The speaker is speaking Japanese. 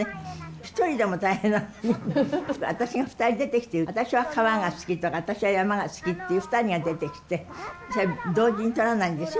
１人でも大変なのに私が２人出てきて「私は川が好き」とか「私は山が好き」っていう２人が出てきて同時に撮らないんですよ。